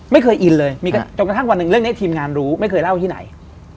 ไม่เคยอินเลยมีจนกระทั่งวันหนึ่งเรื่องนี้ทีมงานรู้ไม่เคยเล่าที่ไหน